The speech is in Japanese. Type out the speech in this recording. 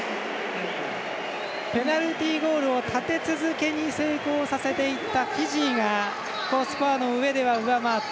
ペナルティゴールを立て続けに成功させていったフィジーがスコアのうえでは上回った